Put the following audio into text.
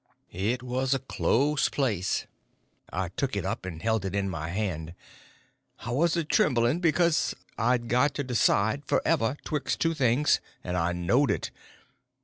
It was a close place. I took it up, and held it in my hand. I was a trembling, because I'd got to decide, forever, betwixt two things, and I knowed it.